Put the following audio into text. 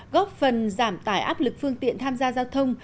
góp phần giảm tải áp lực phương tiện tham gia giao thông